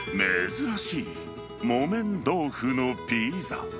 珍しい木綿豆腐のピザ。